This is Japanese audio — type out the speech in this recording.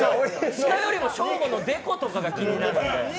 鹿よりもショーゴのでことかが気になる。